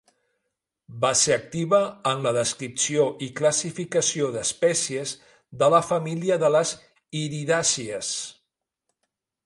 Va ser activa en la descripció i classificació d'espècies de la família de les iridàcies.